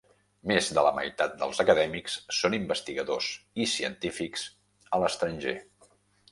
Més de la meitat dels acadèmics són investigadors i científics a l'estranger.